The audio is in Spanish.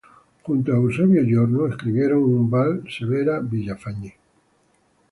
Junto a Eusebio Giorno escribieron un vals "Severa Villafañe".